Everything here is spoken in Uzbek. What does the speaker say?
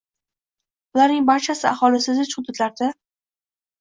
Bularning barchasi aholisi zich hududlarda